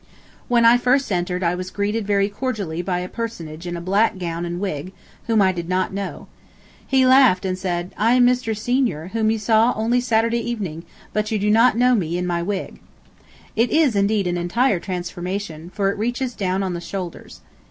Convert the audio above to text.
When I first entered I was greeted very cordially by a personage in a black gown and wig, whom I did not know. He laughed and said: "I am Mr. Senior, whom you saw only Saturday evening, but you do not know me in my wig." It is, indeed, an entire transformation, for it reaches down on the shoulders.